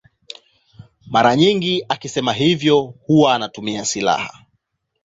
Mara nyingi akisema hivyo huwa anatumia silaha.